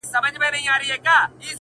پسرلي به وي شیندلي سره ګلونه؛